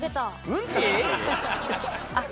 うんち！？